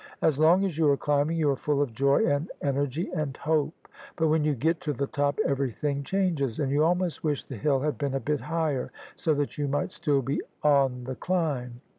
As long as you are climbing, you are full of joy and energy and hope: but when you get to the top everything changes, and you almost wish the hill had been a bit higher so that you might still be on the climb.